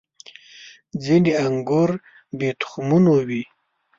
• ځینې انګور بې تخمونو وي.